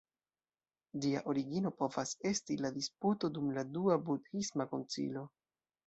Ĝia origino povas esti la disputo dum la Dua Budhisma Koncilio.